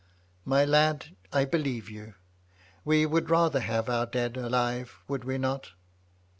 "My lad, I believe you. We would rather have had our dead alive, would we not